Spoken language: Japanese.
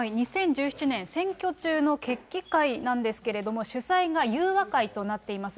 ２０１７年、選挙中の決起会なんですけども、主催が裕和会となっています。